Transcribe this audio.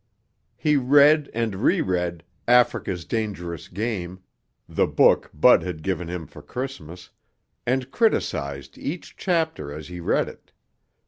He read and reread Africa's Dangerous Game, the book Bud had given him for Christmas, and criticized each chapter as he read it.